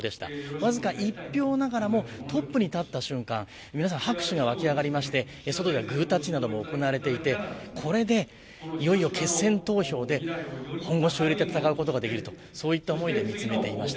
僅か１票ながらもトップに立った瞬間、拍手が沸き上がりまして外ではグータッチなども行われていて、これでいよいよ決選投票で本腰を入れて戦うことができるという思いで見つめていました。